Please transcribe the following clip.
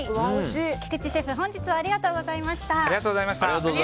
菊池シェフ本日はありがとうございました。